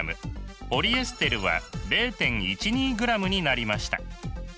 ポリエステルは０．１２ｇになりました。